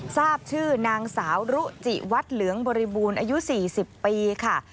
ทราบชื่อนางสาวรุจิวัดเหลืองบริบูรณ์อายุ๔๐ปีค่ะ